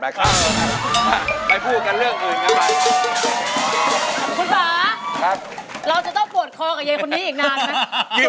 เราจะต้องปวดคอกับเย็นคนนี้อีกนานหรือไง